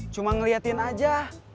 cuma ngeliatin aja